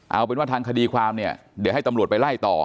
เอาเป็นว่าทางคดีความเนี่ยเดี๋ยวให้ตำรวจไปไล่ต่อ